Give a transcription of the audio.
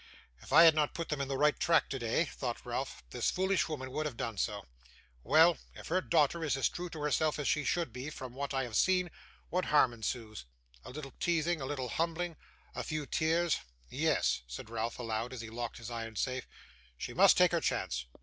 'If I had not put them in the right track today,' thought Ralph, 'this foolish woman would have done so. Well. If her daughter is as true to herself as she should be from what I have seen, what harm ensues? A little teasing, a little humbling, a few tears. Yes,' said Ralph, aloud, as he locked his iron safe. 'She must take her chance.